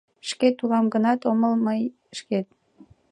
Шкет улам гынат – омыл мый шкет…